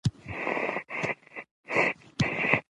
هلته نه ویره شته نه تمه.